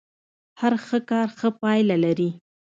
هر ښه کار ښه پايله لري.